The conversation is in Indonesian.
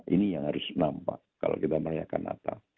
ini yang harus nampak kalau kita merayakan natal